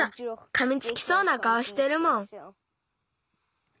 かみつきそうなかおしてるもん。